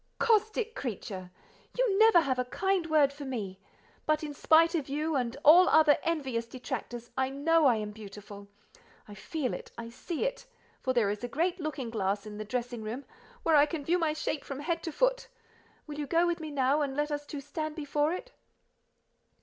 "Caustic creature! You never have a kind word for me; but in spite of you, and all other envious detractors, I know I am beautiful; I feel it, I see it—for there is a great looking glass in the dressing room, where I can view my shape from head to foot. Will you go with me now, and let us two stand before it?"